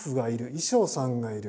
衣装さんがいる。